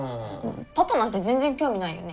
パパなんて全然興味ないよね。